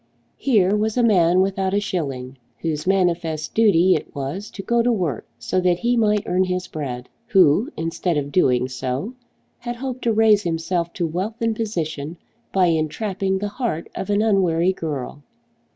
Here was a man without a shilling, whose manifest duty it was to go to work so that he might earn his bread, who instead of doing so, had hoped to raise himself to wealth and position by entrapping the heart of an unwary girl!